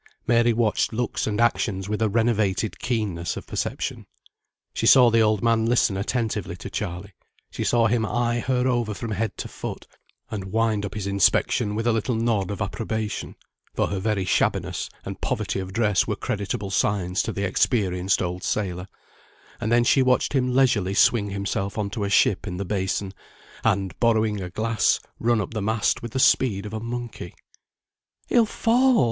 Mary watched looks and actions with a renovated keenness of perception. She saw the old man listen attentively to Charley; she saw him eye her over from head to foot, and wind up his inspection with a little nod of approbation (for her very shabbiness and poverty of dress were creditable signs to the experienced old sailor); and then she watched him leisurely swing himself on to a ship in the basin, and, borrowing a glass, run up the mast with the speed of a monkey. "He'll fall!"